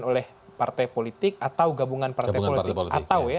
oleh partai politik atau gabungan partai politik